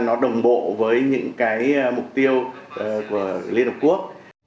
nó đồng bộ với những cái mục tiêu của liên hợp quốc